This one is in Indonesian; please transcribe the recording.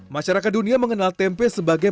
masyarakat dunia mengenal tempe sebagai